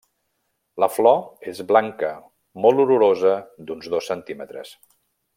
La flor és blanca molt olorosa d'uns dos centímetres.